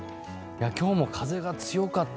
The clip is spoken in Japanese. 今日も風が強かった。